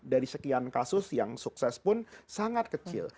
dari sekian kasus yang sukses pun sangat kecil